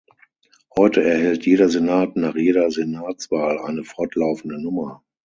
Heute erhält jeder Senat nach jeder Senatswahl eine fortlaufende Nummer.